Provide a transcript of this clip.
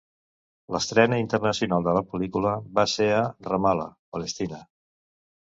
L'estrena internacional de la pel·lícula va ser a Ramal·lah, Palestina.